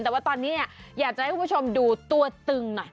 ตอนนี้อยากจะให้คุณผู้ชมดูตัวตึง